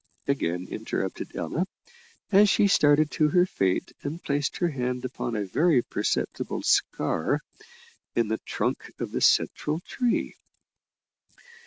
again interrupted Ella, as she started to her feet and placed her hand upon a very perceptible scar in the trunk of the central tree.